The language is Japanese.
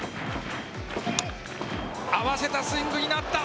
あわせたスイングになった。